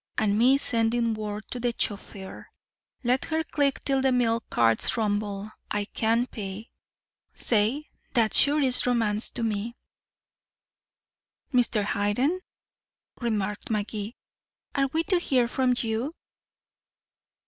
And me sending word to the chauffeur 'Let her click till the milk carts rumble I can pay.' Say that sure is romance to me." "Mr. Hayden," remarked Magee, "are we to hear from you?"